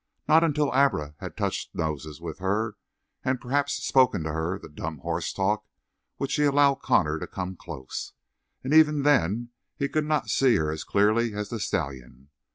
Not until Abra had touched noses with her and perhaps spoken to her the dumb horse talk would she allow Connor to come close, and even then he could not see her as clearly as the stallion.